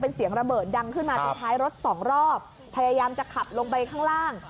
เป็นเสียงระเบิดดังขึ้นมาตรงท้ายรถสองรอบพยายามจะขับลงไปข้างล่าง